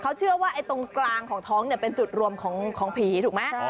เขาเชื่อว่าไอ้ตรงกลางของท้องเนี่ยเป็นจุดรวมของผีถูกไหม